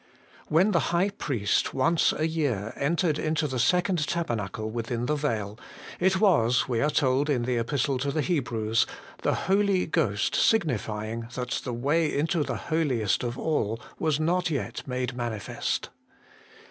WHEN the High Priest once a year entered into the second tabernacle within the veil, it was, we are told in the Epistle to the Hebrews, ' the Holy Ghost signifying that the way into the Holiest of all was not yet made manifest.'